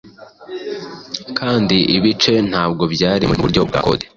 kandi ibice ntabwo byari muburyo bwa codex